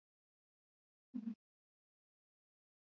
Tutaoana katika mwezi wa Juni.